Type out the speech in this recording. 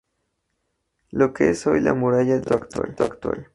Lo que es hoy la muralla del recinto actual.